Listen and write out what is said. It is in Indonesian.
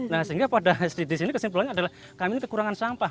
nah sehingga pada hdds ini kesimpulannya adalah kami ini kekurangan sampah